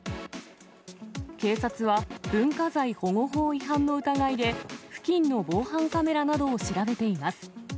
警察は、文化財保護法違反の疑いで、付近の防犯カメラなどを調べています。